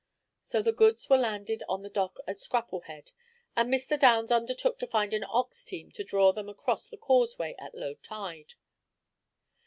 So the goods were landed on the dock at Scrapplehead, and Mr. Downs undertook to find an ox team to draw them across the causeway at low tide.